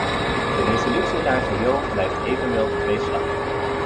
De resolutie in haar geheel blijft evenwel tweeslachtig.